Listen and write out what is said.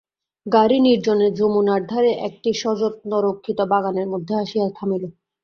গাড়ি নির্জনে যমুনার ধারে একটি সযত্নরক্ষিত বাগানের মধ্যে আসিয়া থামিল।